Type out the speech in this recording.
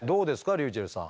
ｒｙｕｃｈｅｌｌさん。